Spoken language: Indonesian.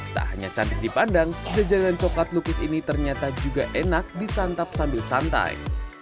tak hanya cantik dipandang jajanan coklat lukis ini ternyata juga enak disantap sambil santai